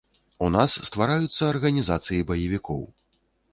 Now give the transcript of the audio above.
У нас ствараюцца арганізацыі баевікоў.